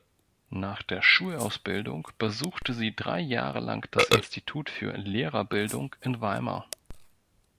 Nach der Schulausbildung besuchte sie drei Jahre lang das Institut für Lehrerbildung in Weimar.